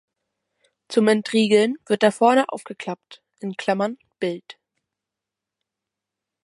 Zum Entriegeln wird er vorne aufgeklappt (Bild).